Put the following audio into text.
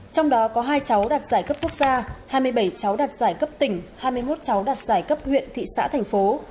trong đó có hai cháu đạt giải cấp quốc gia hai mươi bảy cháu đạt giải cấp tỉnh hai mươi một cháu đạt giải cấp huyện thị xã thành phố